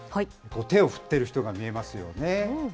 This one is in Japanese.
手を振っている人が見えますよね。